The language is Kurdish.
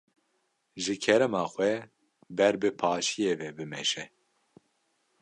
Ji kerema xwe ber bi paşiyê ve bimeşe.